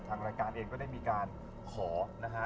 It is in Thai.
ทางรายการเองก็ได้มีการขอนะฮะ